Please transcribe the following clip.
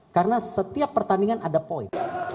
karena setiap pertandingan ada poin